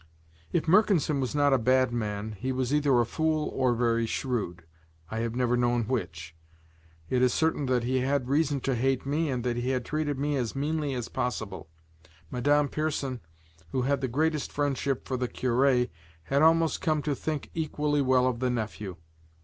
If Mercanson was not a bad man, he was either a fool or very shrewd, I have never known which; it is certain that he had reason to hate me and that he treated me as meanly as possible. Madame Pierson, who had the greatest friendship for the cure, had almost come to think equally well of the nephew.